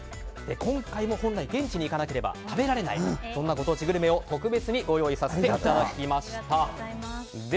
今回も本来現地に行かなければ食べられないそんなご当地グルメを特別にご用意させていただきました。